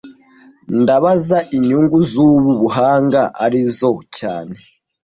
Ndabaza inyungu zubu buhanga arizo cyane